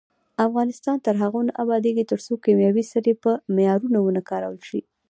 افغانستان تر هغو نه ابادیږي، ترڅو کیمیاوي سرې په معیار ونه کارول شي.